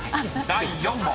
［第４問］